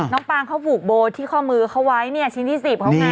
ปางเขาผูกโบที่ข้อมือเขาไว้เนี่ยชิ้นที่๑๐เขาไง